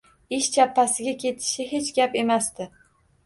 Ish chappasiga ketishi hech gap emasdi.